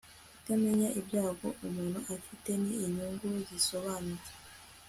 kutamenya ibyago umuntu afite ni inyungu zisobanutse